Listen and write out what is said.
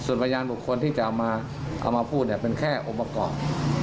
ส่วนพยานบุคคลที่จะเอามาพูดเป็นแค่อบกรอบ